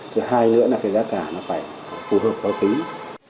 thứ hai nữa là cái giá cả nó phải phù hợp và tính